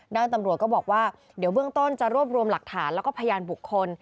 ด้านตำรวจก็บอกว่าเดี๋ยวเบื้องต้นจะรวบรวมหลักฐานแล้วก็พยานบุคคล